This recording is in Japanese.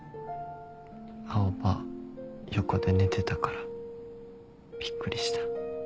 青羽横で寝てたからびっくりした。